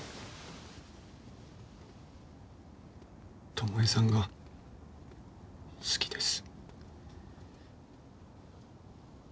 巴さんが好きです。